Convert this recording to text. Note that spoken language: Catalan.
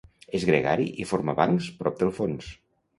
És gregari i forma bancs prop del fons.